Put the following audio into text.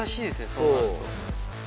そうなると。